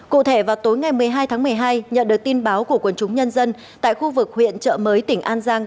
cụ thể vào tối ngày một mươi hai tháng một mươi hai nhận được tin báo của quần chúng nhân dân tại khu vực huyện trợ mới tỉnh an giang